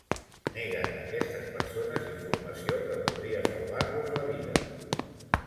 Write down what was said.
Neguen a aquestes persones informació que podria salvar-los la vida.